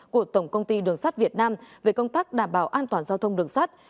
của tổng công ty đường sắt việt nam về công tác đảm bảo an toàn giao thông đường sắt